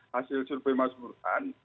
hasil survei mas burhan